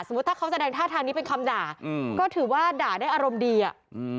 ถ้าเขาแสดงท่าทางนี้เป็นคำด่าอืมก็ถือว่าด่าได้อารมณ์ดีอ่ะอืม